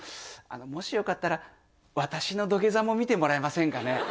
もしよかったら私の土下座も見てもらえませんかね？